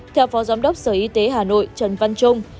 theo phó giám đốc sở y tế hà nội trần văn trung